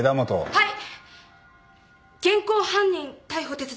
はい。